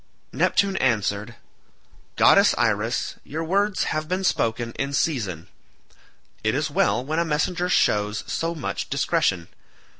Neptune answered, "Goddess Iris, your words have been spoken in season. It is well when a messenger shows so much discretion.